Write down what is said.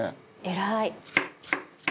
「偉い！」